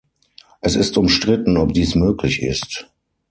Es ist umstritten, ob dies möglich ist.